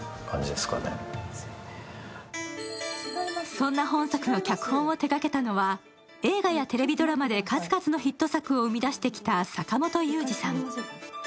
そんな本作の脚本を手がけたのは映画やテレビドラマで数々のヒット作を生み出してきた坂元裕二さん。